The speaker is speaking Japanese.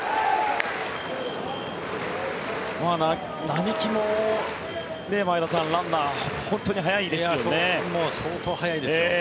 並木もランナー、本当に速いですよね。